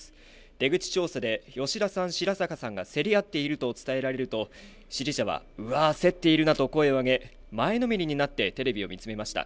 出口調査で吉田さん、白坂さんが競り合っていると伝えられると支持者は競っているなと声を上げ前のめりになってテレビを見つめました。